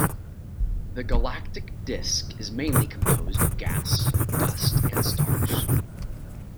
The galactic disc is mainly composed of gas, dust and stars.